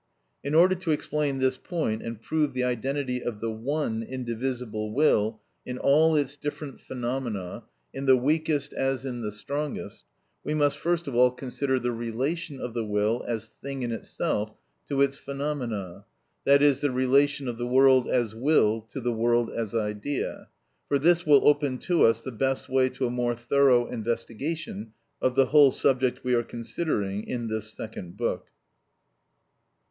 In order to explain this point and prove the identity of the one indivisible will in all its different phenomena, in the weakest as in the strongest, we must first of all consider the relation of the will as thing in itself to its phenomena, that is, the relation of the world as will to the world as idea; for this will open to us the best way to a more thorough investigation of the whole subject we are considering in this second book.